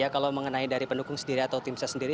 kalau mengenai dari pendukung sendiri atau tim saya sendiri